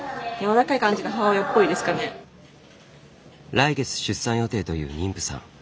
来月出産予定という妊婦さん。